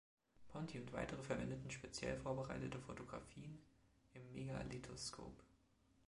Ponti und weitere verwendeten speziell vorbereitete Photographien im Megalethoscope.